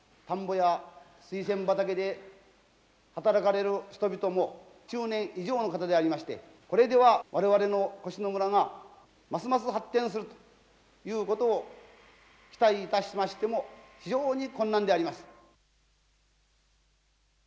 田んぼやスイセン畑で働かれる人々も中年以上の方でありましてこれでは我々の越廼村がますます発展するということを期待いたしましても非常に困難であります。